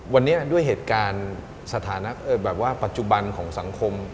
วันนี้ด้วยเหตุการณ์สถานะแบบว่าปัจจุบันของสังคม